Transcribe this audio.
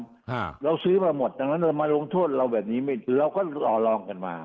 เราซื้อมาหมดดังนั้นเรามาลงโทษเราแบบนี้ไม่เราก็ต่อลองกันมา